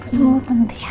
semua tentu ya